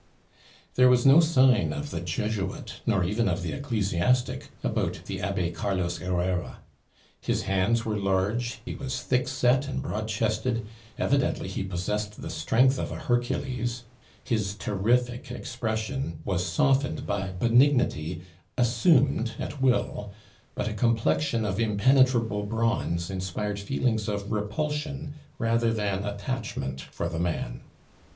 There was no sign of the Jesuit, nor even of the ecclesiastic, about the Abbe Carlos Herrera. His hands were large, he was thick set and broad chested, evidently he possessed the strength of a Hercules; his terrific expression was softened by benignity assumed at will; but a complexion of impenetrable bronze inspired feelings of repulsion rather than attachment for the man.